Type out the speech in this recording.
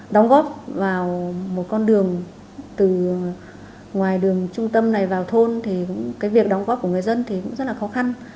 đóng góp vào một con đường từ ngoài đường trung tâm này vào thôn thì cái việc đóng góp của người dân thì cũng rất là khó khăn